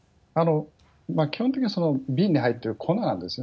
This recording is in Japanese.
基本的にはその瓶に入っている粉なんですね。